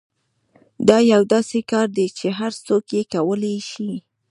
دا یو داسې کار دی چې هر څوک یې کولای شي